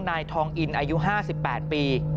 นายทองอินอายุ๕๘ปี